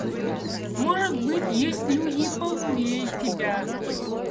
Может быть, есть люди и поумнее тебя.